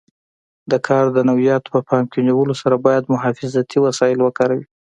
د کار د نوعیت په پام کې نیولو سره باید حفاظتي وسایل وکاروي.